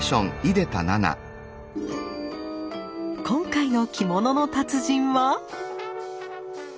今回の着物の達人は。